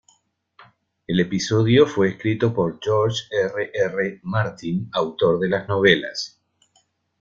El episodio fue escrito por George R. R. Martin, autor de las novelas.